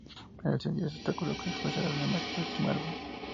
El sencillo se especuló que se ofrecerá en el próximo álbum.